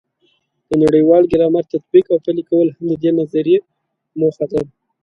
د نړیوال ګرامر تطبیق او پلي کول هم د دې نظریې موخه ده.